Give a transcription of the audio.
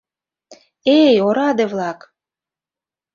Эй, ораде-влак!..